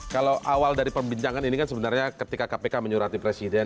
kalau awal dari pembincangan ini kan sebenarnya ketika kpk menyuruh hati presiden